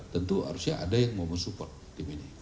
tentu harusnya ada yang mau support di sini